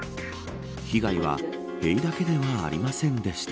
被害は塀だけではありませんでした。